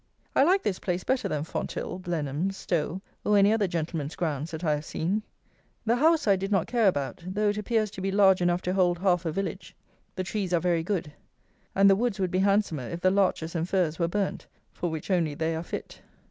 I like this place better than Fonthill, Blenheim, Stowe, or any other gentleman's grounds that I have seen. The house I did not care about, though it appears to be large enough to hold half a village. The trees are very good, and the woods would be handsomer if the larches and firs were burnt, for which only they are fit.